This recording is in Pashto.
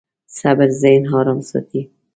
صبر ذهن ارام ساتي.